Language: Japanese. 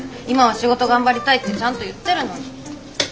「今は仕事頑張りたい」ってちゃんと言ってるのに。